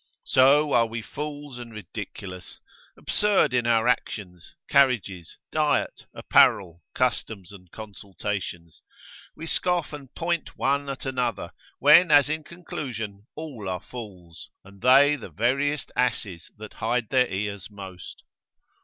So are we fools and ridiculous, absurd in our actions, carriages, diet, apparel, customs, and consultations; we scoff and point one at another, when as in conclusion all are fools, and they the veriest asses that hide their ears most.